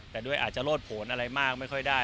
แต่ด้วยอาจจะโลดผลอะไรมากไม่ค่อยได้